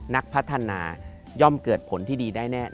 นักพัฒนาย่อมเกิดผลที่ดีได้แน่